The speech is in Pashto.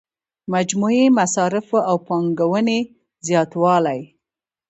مجموعي مصارفو او پانګونې زیاتوالی.